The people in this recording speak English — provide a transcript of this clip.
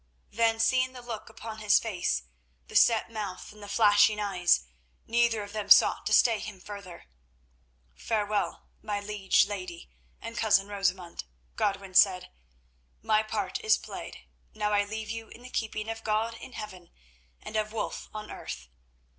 Then seeing the look upon his face, the set mouth and the flashing eyes, neither of them sought to stay him further. "Farewell, my liege lady and cousin Rosamund," Godwin said; "my part is played. Now I leave you in the keeping of God in heaven and of Wulf on earth.